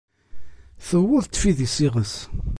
Tewweḍ tfidi s iɣes!